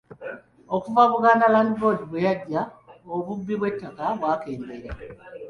Okuva Buganda Land Board bwe yajja, obubbi bw'ettaka bwakendeera.